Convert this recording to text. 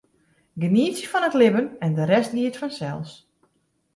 Genietsje fan it libben en de rest giet fansels.